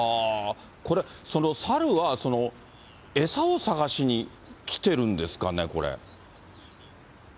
これ、そのサルは、餌を探しに来ているんですかね、これ。